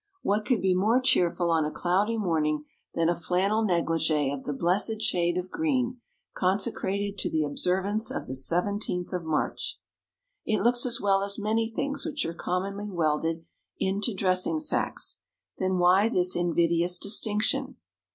What could be more cheerful on a cloudy morning than a flannel négligée of the blessed shade of green consecrated to the observance of the seventeenth of March? It looks as well as many things which are commonly welded into dressing sacks; then why this invidious distinction?